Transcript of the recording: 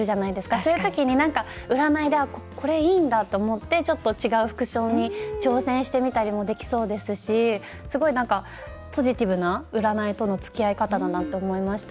そういう時に占いでこれ、いいんだって思ってちょっと違う服装に挑戦してみたりもできそうですしすごいポジティブな占いとのつきあい方だなと思いました。